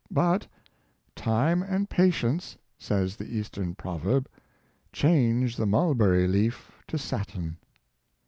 But " Time and patience," says the Eastern proverb, " change the mul berry leaf to satin."